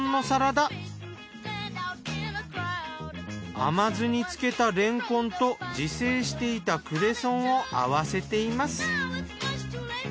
甘酢に漬けたれんこんと自生していたクレソンを合わせています。